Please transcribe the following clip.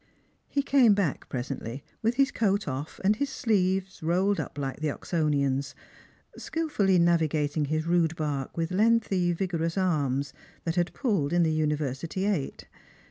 He came back presently, with his coat off and his sleeves rolled up like the Oxonian's, skilfully navigating his rude bark with lengthy vigorous arms that had pulled in the university eight.